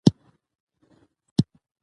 موږ بايد له تېرو اشتباهاتو زده کړه وکړو.